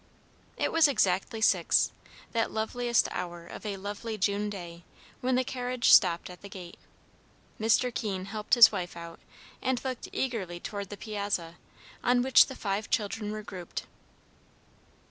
It was exactly six, that loveliest hour of a lovely June day, when the carriage stopped at the gate. Mr. Keene helped his wife out, and looked eagerly toward the piazza, on which the five children were grouped.